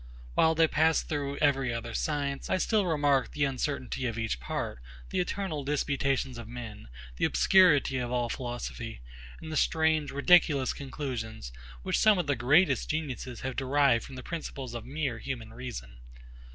While they pass through every other science, I still remark the uncertainty of each part; the eternal disputations of men; the obscurity of all philosophy; and the strange, ridiculous conclusions, which some of the greatest geniuses have derived from the principles of mere human reason.